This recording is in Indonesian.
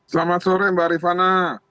selamat sore mbak rifana